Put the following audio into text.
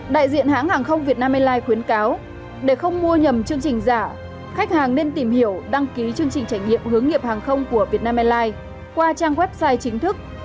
đại diện hãng hàng không việt nam airlines khuyến cáo để không mua nhầm chương trình giả khách hàng nên tìm hiểu đăng ký chương trình trải nghiệm hướng nghiệp hàng không của việt nam airlines qua trang website chính thức